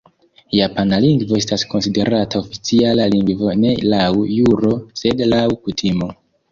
Japana lingvo estas konsiderata oficiala lingvo ne laŭ juro sed laŭ kutimo.